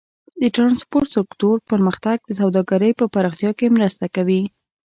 د ټرانسپورټ سکتور پرمختګ د سوداګرۍ په پراختیا کې مرسته کوي.